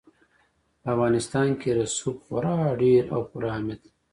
په افغانستان کې رسوب خورا ډېر او پوره اهمیت لري.